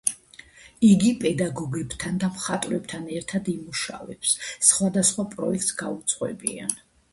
იგი პედაგოგებთან და მხატვრებთან ერთად იმუშავებს, სხვადასხვა პროექტს გაუძღვებიან.